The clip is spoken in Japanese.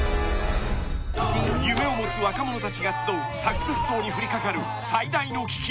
夢を持つ若者たちが集うサクセス荘に降りかかる最大の危機。